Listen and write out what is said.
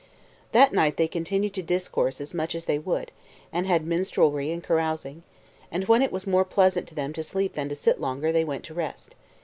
That night they continued to discourse as much as they would, and had minstrelsy and carousing; and when it was more pleasant to them to sleep than to sit longer, they went to rest.